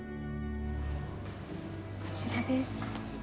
こちらです。